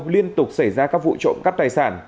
liên tục xảy ra các vụ trộm cắp tài sản